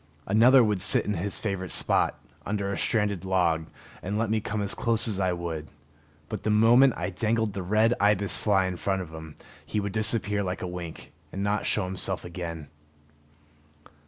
Another would sit in his favorite spot, under a stranded log, and let me come as close as I would; but the moment I dangled the red ibis fly in front of him, he would disappear like a wink, and not show himself again.